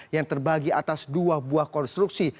yang terbagi atas dua buah konstruksi